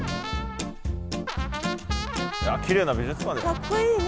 きれいな美術館ですね。